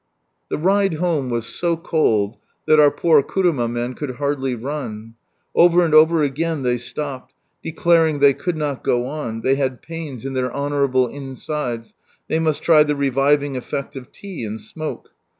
The ride home was so cold that our poor kuruma men could hardly run. Over and over again they stopped, declaring they could not go on, they had pains in their honourable insides, they must try the reviving effect of tea, and smoke.